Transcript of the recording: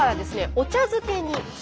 お茶漬け！？